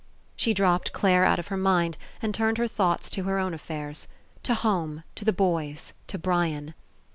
She dropped Clare out of her mind and turned her thoughts to her own affairs. To home, to the boys, to Brian.